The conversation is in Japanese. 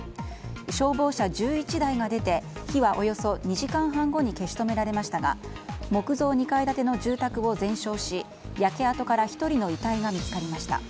消防車１１台が出て火はおよそ２時間半後に消し止められましたが木造２階建ての住宅を全焼し焼け跡から１人の遺体が見つかりました。